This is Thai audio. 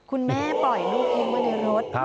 คุณแม่ปล่อยลูกทิ้งไว้ในรถ